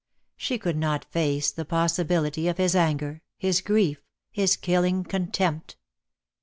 She could not face the possibility of his anger, his grief, his killing contempt.